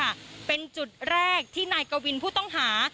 และหลังจากที่นายกวินผู้ต้องหา